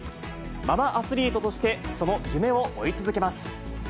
ママアスリートとして、その夢を追い続けます。